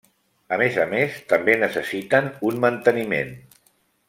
A més a més també necessiten un manteniment.